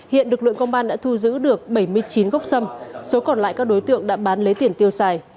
hiện lực lượng công an đã thu giữ được bảy mươi chín gốc sâm số còn lại các đối tượng đã bán lấy tiền tiêu xài